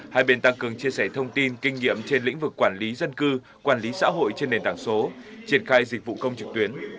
hai bên tăng cường chia sẻ thông tin kinh nghiệm trên lĩnh vực quản lý dân cư quản lý xã hội trên nền tảng số triển khai dịch vụ công trực tuyến